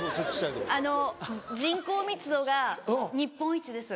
あの人口密度が日本一です。